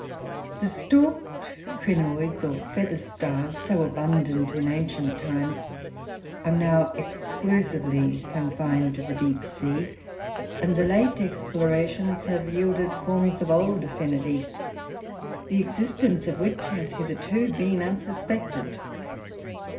The Stalked Crinoids or Feather Stars, so abundant in ancient times, are now exclusively confined to the deep sea, and the late explorations have yielded forms of old affinity, the existence of which has hitherto been unsuspected.